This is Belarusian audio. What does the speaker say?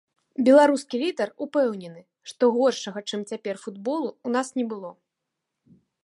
Беларускі лідар упэўнены, што горшага чым цяпер футболу ў нас не было.